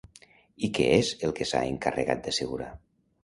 I què és el que s'ha encarregat d'assegurar?